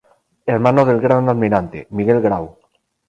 Hermano del Gran Almirante Miguel Grau.